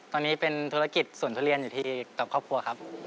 ตอนนี้เป็นธุรกิจสวนทุเรียนอยู่ที่กับครอบครัวครับ